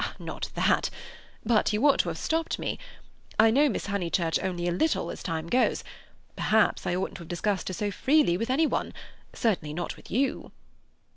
"Not that. But you ought to have stopped me. I know Miss Honeychurch only a little as time goes. Perhaps I oughtn't to have discussed her so freely with any one; certainly not with you."